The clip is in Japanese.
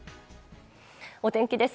お天気です。